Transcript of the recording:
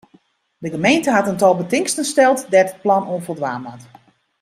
De gemeente hat in tal betingsten steld dêr't it plan oan foldwaan moat.